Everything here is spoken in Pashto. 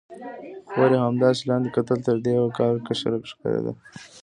خور یې همداسې لاندې کتل، تر دې یو کال کشره ښکارېده.